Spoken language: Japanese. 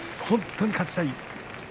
本当に勝ちたい